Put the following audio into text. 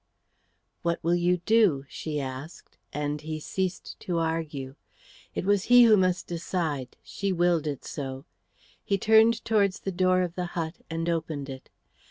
"What will you do?" she asked, and he ceased to argue. It was he who must decide; she willed it so. He turned towards the door of the hut and opened it.